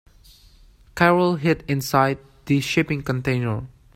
Carol hid inside the shipping container.